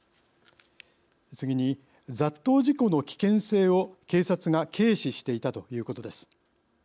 次に雑踏事故の危険性を警察が軽視していたということです。